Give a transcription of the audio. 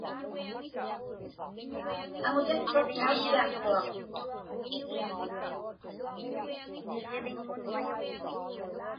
Aŋutiqpak nautkiaqtuaq.